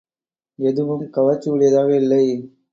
எதுவும் கவர்ச்சி உடையதாக இல்லை.